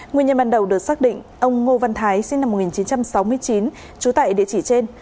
nguyên nhân ban đầu được xác định ông ngô văn thái sinh năm một nghìn chín trăm sáu mươi chín trú tại địa chỉ trên